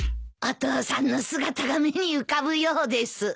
お父さんの姿が目に浮かぶようです。